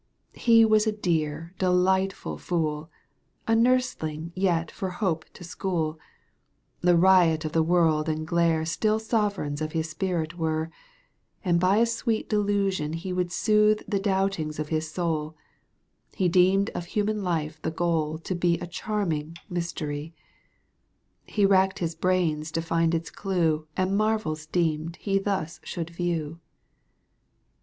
He was a deaf delightful fool —^■ A nursling yet for Hope to schooL « —The riot of the world and glare Still sovereigns of his spirit were, And by a sweet delusion he \ Would soothe the doubtings of his soul, ■ He deemed of human life the goal To be a charming mystery : He racked his brains to find its clue And marvels deemed he thus should view.